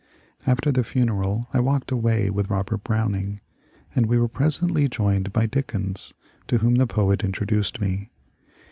After the funeral I walked away with Robert Browning, and we were presently joined by Dickens, to whom the poet introduced me.